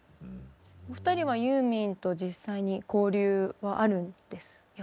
お二人はユーミンと実際に交流はあるんですよね？